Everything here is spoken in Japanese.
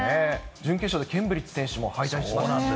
準決勝でケンブリッジ選手も敗退して。